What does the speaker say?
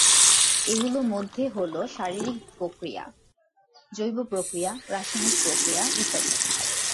এগুলো মধ্যে হল শারীরিক প্রক্রিয়া, জৈব প্রক্রিয়া, রাসায়নিক প্রক্রিয়া ইত্যাদি।